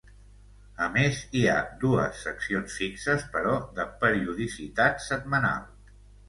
A més, hi ha dues seccions fixes però de periodicitat setmanal.